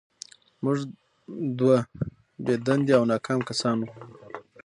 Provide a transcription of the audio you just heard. موږ دوه بې دندې او ناکام کسان وو